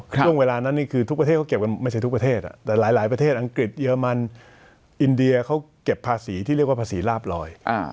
ช่วงเวลานั้นนี่คือทุกประเทศเขาเก็บกันไม่ใช่ทุกประเทศแต่หลายประเทศอังกฤษเยอรมันอินเดียเขาเก็บภาษีที่เรียกว่าภาษีลาบลอย